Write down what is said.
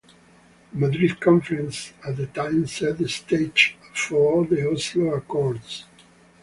The Madrid Conference at the time set the stage for the Oslo Accords.